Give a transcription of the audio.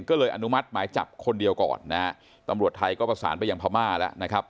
ก็เลยอนุมัติหมายจับคนเดียวก่อนนะฮะตำรวจไทยก็ประสานไปยังพม่าแล้วนะครับ